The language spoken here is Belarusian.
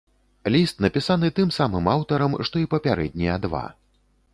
Ліст напісаны тым самым аўтарам, што і папярэднія два.